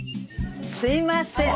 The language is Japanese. すいません。